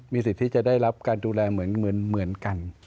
สิทธิ์ที่จะได้รับการดูแลเหมือนกัน